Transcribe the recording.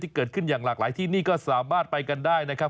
เกิดขึ้นอย่างหลากหลายที่นี่ก็สามารถไปกันได้นะครับ